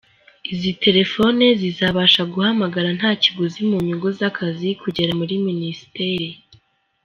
Izo telefoni zizabafasha guhamagara nta kiguzi mu nyungu z’akazi kugera muri Minisiteri.